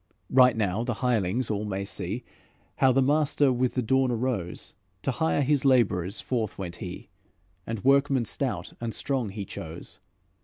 '" "Right soon the hirelings all may see How the master with the dawn arose; To hire his labourers forth went he, And workmen stout and strong he chose.